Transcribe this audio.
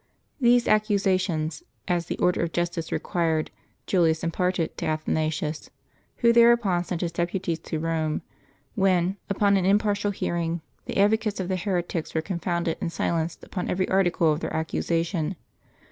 These accusations, as the order of justice required, Julius imparted to Athanasius, who thereupon sent his deputies to Rome ; when, upon an impartial hearing, the advocates of the heretics were con founded and silenced upon every article of their accusation.